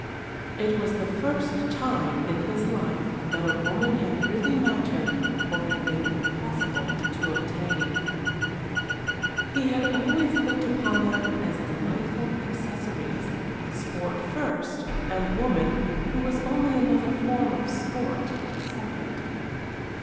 It was the first time in his life that a woman had really mattered or had been impossible to obtain. He had always looked upon them as delightful accessories: sport first, and woman, who was only another form of sport, second.